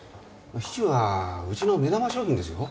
シチューはうちの目玉商品ですよ？